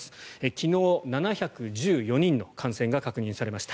昨日、７１４人の感染が確認されました。